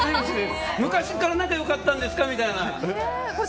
昔から仲良かったんですかみたいな。